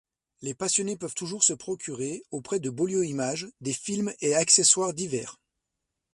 Les passionnés peuvent toujours se procurer, auprès de Beaulieu-Images, des films et accessoires divers.